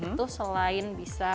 itu selain bisa